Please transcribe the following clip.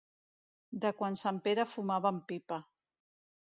De quan sant Pere fumava amb pipa.